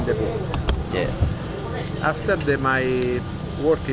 setelah pekerjaan saya berubah